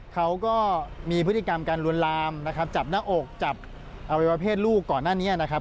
เขาก็มีพฤติกรรมการลวนลามนะครับจับหน้าอกจับอวัยวะเพศลูกก่อนหน้านี้นะครับ